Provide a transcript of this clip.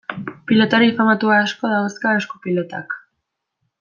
Pilotari famatu asko dauzka esku-pilotak.